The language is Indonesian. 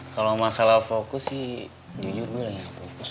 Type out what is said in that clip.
kalau masalah fokus sih jujur gue lah ya fokus